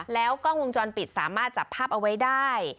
แล้วกล้องวงจรปิดสามารถจับภาพเอาไว้ได้